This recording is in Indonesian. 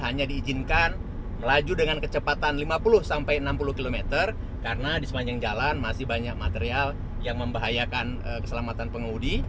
hanya diizinkan melaju dengan kecepatan lima puluh sampai enam puluh km karena di sepanjang jalan masih banyak material yang membahayakan keselamatan pengemudi